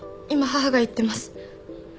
今母が行ってます。